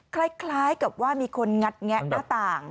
คล้ายกับว่ามีคนงัดแงะหน้าต่าง